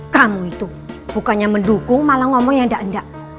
kamu itu bukannya mendukung malah ngomong yang ndak ndak